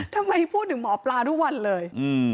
ทำไมพูดถึงหมอปลาทุกวันเลย